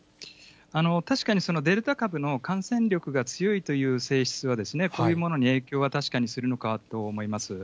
確かにデルタ株の感染力が強いという性質は、こういうものに影響は確かにするのかと思います。